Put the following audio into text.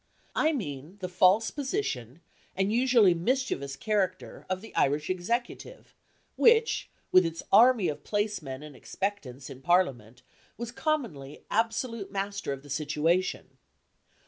I mean the false position, and usually mischievous character, of the Irish Executive, which, with its army of placemen and expectants in Parliament, was commonly absolute master of the situation.